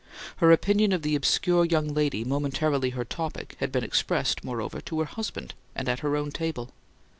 Her opinion of the obscure young lady momentarily her topic had been expressed, moreover, to her husband, and at her own table.